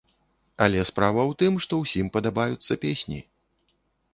Але справа ў тым, што ўсім падабаюцца песні.